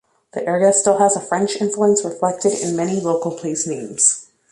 The area still has a French influence, reflected in many local placenames.